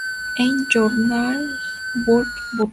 Ein Journal für Botanik".